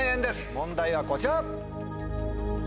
問題はこちら。